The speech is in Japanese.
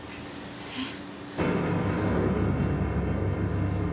えっ？